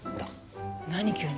何急に？